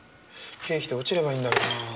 経費で落ちればいいんだけどな。